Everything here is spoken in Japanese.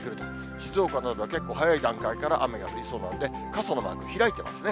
静岡などは結構早い段階から雨が降りそうなので、傘のマーク開いてますね。